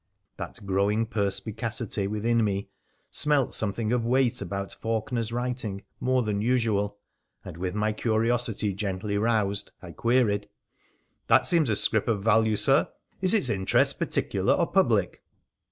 That growing perspicacity within me smelt something of weight about _ Faulkener's writing more than usual, and with my curiosity gently roused. I queried — 326 WOXDERFUT, ADVENTURES OF ' That seems a scrip of value, sir. Is its interest parti cular or public